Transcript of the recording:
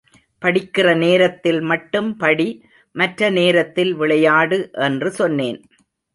படிக்கிற நேரத்தில் மட்டும் படி மற்ற நேரத்தில் விளையாடு என்று சொன்னேன்.